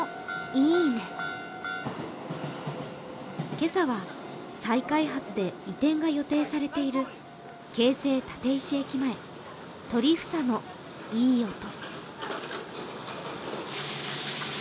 今朝は再開発で移転が予定されている京成立石駅前、鳥房のいい音。